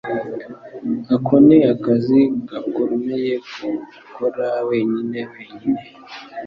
Ako ni akazi gakomeye ko gukora wenyine wenyine.